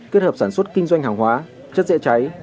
kết hợp sản xuất kinh doanh hàng hóa chất dễ cháy